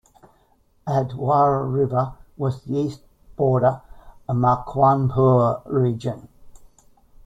Adhwara river was the east border of Makwanpur region.